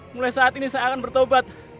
mulai saat ini saya akan bertobat